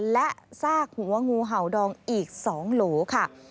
และซากหัวงูเห่าดองอีก๒โหลค่ะ